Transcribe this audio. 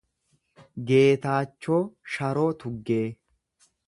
Geetaachoo Sharoo Tuggee